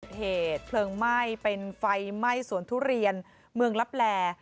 เหตุเพลิงไหม้เป็นไฟไหม้สวนทุเรียนเมืองลับแล